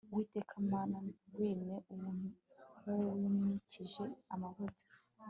uwiteka mana, ntiwime uwo wimikishije amavuta